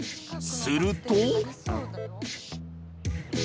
すると。